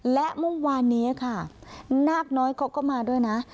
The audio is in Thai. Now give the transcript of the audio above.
และเมื่อวานนี้ค่ะนาคน้อยเขาก็มาด้วยนะ